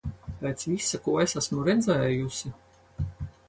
Pēc visa, ko es esmu redzējusi...